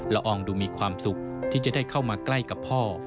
อองดูมีความสุขที่จะได้เข้ามาใกล้กับพ่อ